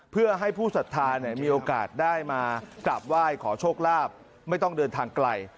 เพื่อให้ผู้สัทธามีโอกาสได้มากราบไหว้ขอโชคลาภไม่ต้องเดินทางไกล